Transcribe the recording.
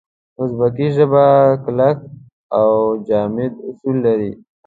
اوزبکي ژبه کلک او جامد اصول لري.